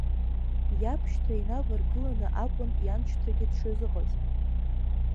Иабшьҭра инаваргыланы акәын ианшьҭрагьы дшазыҟаз.